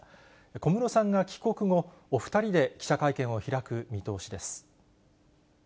小室さんが帰国後、お２人で記者会見を開く見通しです。